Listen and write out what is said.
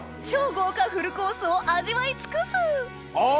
超豪華フルコースを味わい尽くすあ